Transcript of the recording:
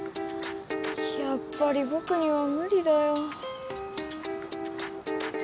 やっぱりぼくには無理だよ。